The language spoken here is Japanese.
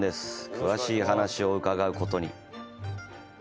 詳しい話を伺うことに。